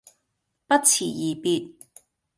不辭而別